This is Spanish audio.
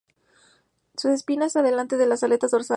Sin espinas delante de las aletas dorsales.